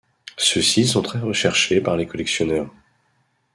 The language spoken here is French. Ceux-ci sont très recherchés par les collectionneurs.